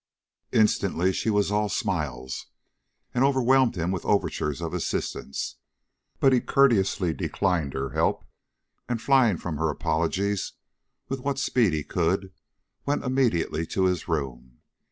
Instantly she was all smiles, and overwhelmed him with overtures of assistance; but he courteously declined her help, and, flying from her apologies with what speed he could, went immediately to his room.